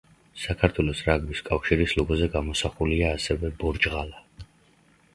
საქართველოს რაგბის კავშირის ლოგოზე გამოსახულია ასევე ბორჯღალა.